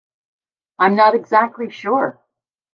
I'm not exactly sure.